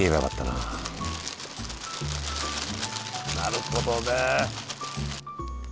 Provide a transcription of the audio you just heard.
なるほどね。